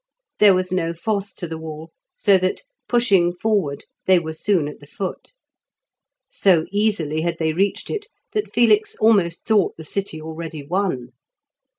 There was no fosse to the wall, so that, pushing forward, they were soon at the foot. So easily had they reached it that Felix almost thought the city already won.